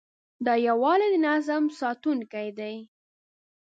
دا یووالی د نظم ساتونکی دی.